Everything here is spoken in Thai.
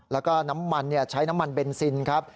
แล้วก็น้ำมันใช้น้ำมันเบนซินครับ